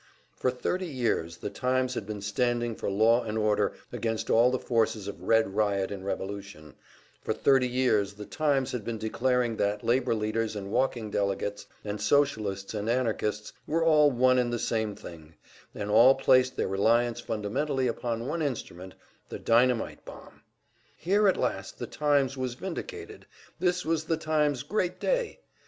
For thirty years the "Times" had been standing for law and order against all the forces of red riot and revolution; for thirty years the "Times" had been declaring that labor leaders and walking delegates and Socialists and Anarchists were all one and the same thing, and all placed their reliance fundamentally upon one instrument, the dynamite bomb. Here at last the "Times" was vindicated, this was the "Times" great day!